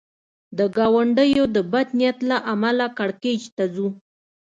د ګاونډیو د بد نیت له امله کړکېچ ته ځو.